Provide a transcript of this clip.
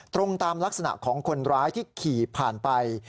ตรงตามลักษณะของคนร้ายที่ขี่ผ่านไป